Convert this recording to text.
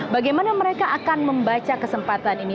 bagaimana mereka akan membaca kesempatan ini